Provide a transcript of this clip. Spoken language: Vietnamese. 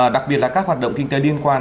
đặc biệt là các hoạt động kinh tế liên quan